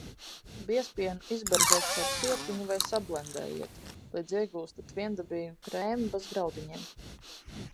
Biezpienu izberziet caur sietiņu vai sablendējiet, līdz iegūstat viendabīgu krēmu bez graudiņiem.